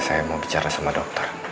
saya mau bicara sama dokter